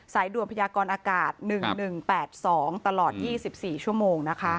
ด่วนพยากรอากาศ๑๑๘๒ตลอด๒๔ชั่วโมงนะคะ